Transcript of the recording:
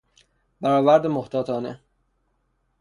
برآورد محتاطانه